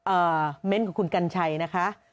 เอ่อเม้นต์ของคุณกัญชัยนะคะ